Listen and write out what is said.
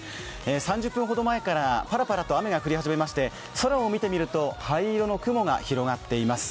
３０分ほど前からパラパラと雨が降り始めていまして空を見てみると灰色の雲が広がっています。